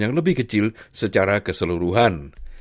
yang lebih kecil secara keseluruhan